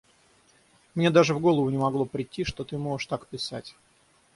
Мне даже в голову не могло прийти, что ты можешь так писать.